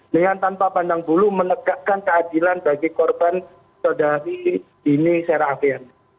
dengan tanpa pandang bulu menegakkan keadilan bagi korban saudari dini sarah afian